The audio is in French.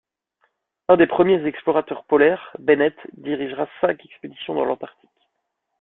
Un des premiers explorateurs polaires, Bennet dirigera cinq expéditions dans l'Arctique.